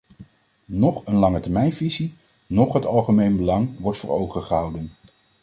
Noch een langetermijnvisie, noch het algemeen belang wordt voor ogen gehouden...